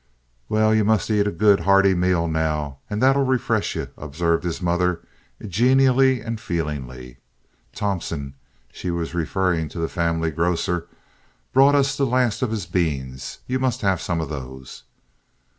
"Well, ye must ate a good, hearty meal now, and that'll refresh ye," observed his mother, genially and feelingly. "Thompson"—she was referring to the family grocer—"brought us the last of his beans. You must have some of those."